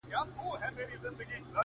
ساه لرم چي تا لرم ،گراني څومره ښه يې ته ،